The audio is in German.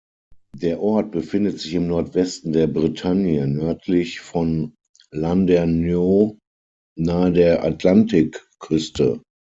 Der Ort befindet sich im Nordwesten der Bretagne nördlich von Landerneau nahe der Atlantikküste.